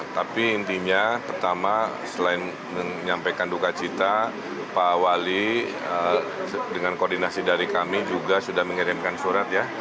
tapi intinya pertama selain menyampaikan duka cita pak wali dengan koordinasi dari kami juga sudah mengirimkan surat ya